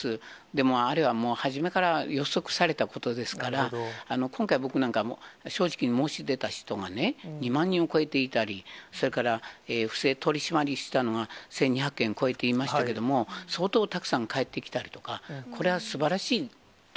でも、あれはもう、初めから予測されたことですから、今回、僕なんか、正直に申し出た人がね、２万人を超えていたり、それから不正取締りしたのが１２００件超えていましたけれども、きょうは環境の日。